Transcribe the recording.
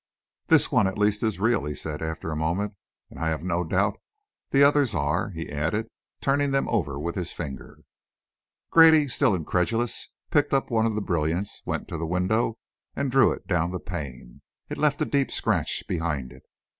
"This one, at least, is real," he said, after a moment. "And I have no doubt the others are," he added, turning them over with his finger. Grady, still incredulous, picked up one of the brilliants, went to the window, and drew it down the pane. It left a deep scratch behind it.